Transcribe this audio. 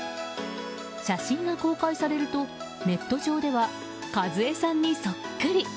写真が公開されるとネット上ではかずえさんにそっくり！